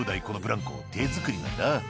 このブランコ手作りなんだ」